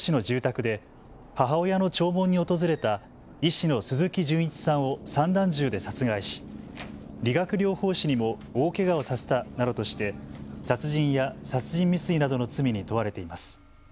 医師の鈴木純一さんを散弾銃で殺害し理学療法士にも大けがをさせたなどとして殺人や殺人未遂などの罪に問われています。